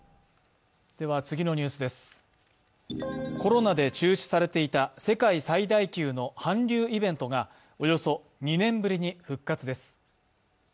コロナで中止されていた世界最大級の韓流イベントがおよそ２年ぶりに復活です。